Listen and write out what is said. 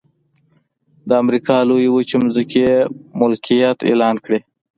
د امریکا لویې وچې ځمکې یې ملکیت اعلان کړې.